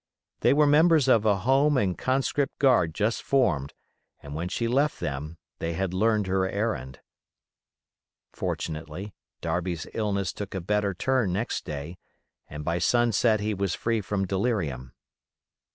They were members of a home and conscript guard just formed, and when she left them they had learned her errand. Fortunately, Darby's illness took a better turn next day, and by sunset he was free from delirium.